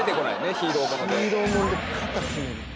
ヒーローもので肩きめる。